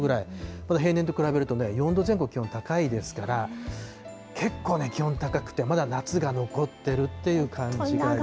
また平年と比べると４度前後気温高いですから、けっこうね、気温高くて、まだ夏が残っているという感じがいたします。